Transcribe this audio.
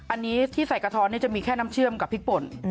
อันนี้ที่ใส่กระท้อนจะมีแค่น้ำเชื่อมกับพริกป่น